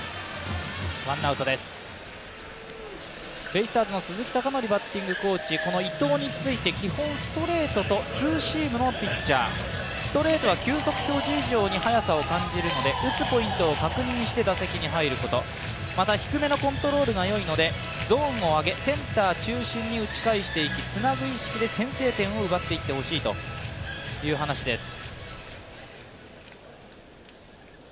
ベイスターズの鈴木尚典バッティングコーチ、この伊藤について、基本ストレートとツーシームのピッチャーストレートは急速表示以上に速さを感じるので打つポイントを確認して打席に入ること、また低めのコントロールがいいので、ゾーンを呼んでセンター中心に打ち返して、つなぐ意識で先制点を奪っていってほしいという話です。